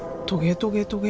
トゲトゲ。